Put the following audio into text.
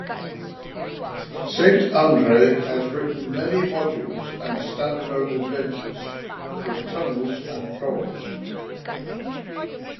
Saint Andre has written many modules and stand alone adventures for "Tunnels and Trolls".